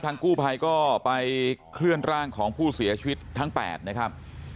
กู้ภัยก็ไปเคลื่อนร่างของผู้เสียชีวิตทั้ง๘นะครับ